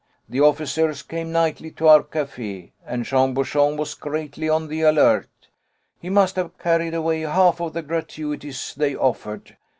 The officers came nightly to our café, and Jean Bouchon was greatly on the alert. He must have carried away half of the gratuities they offered.